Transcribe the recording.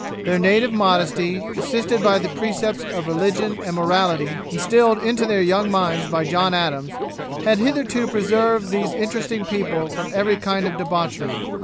Their native modesty, assisted by the precepts of religion and morality, instilled into their young minds by John Adams, had hitherto preserved these interesting people from every kind of debauchery.